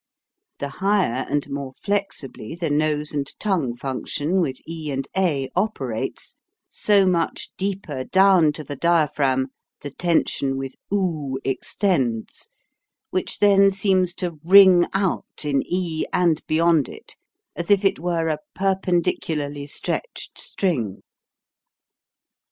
The higher and more flexibly the nose and tongue function with e and a operates, so much deeper down to the diaphragm the tension with oo extends which then seems to ring out in e and beyond it, as if it were a perpendicu larly stretched string.